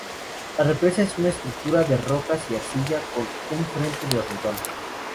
La represa es una estructura de rocas y arcilla, con un frente de hormigón.